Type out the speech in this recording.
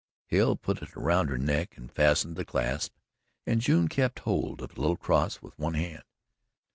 Hale put it around her neck and fastened the clasp and June kept hold of the little cross with one hand.